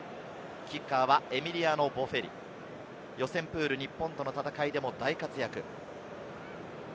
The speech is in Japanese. キッカーはエミリアノ・ボフェリ、予選プール、日本との対戦でも大活躍です。